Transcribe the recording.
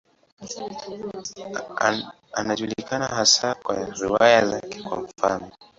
Anajulikana hasa kwa riwaya zake, kwa mfano.